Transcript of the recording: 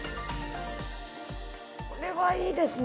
これはいいですね。